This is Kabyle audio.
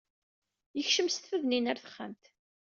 Yekcem s tfednin ɣer texxamt.